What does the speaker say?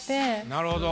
なるほど。